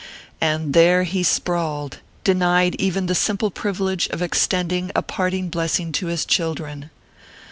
And there he sprawled, denied even the simple privilege of extending a parting blessing to his children.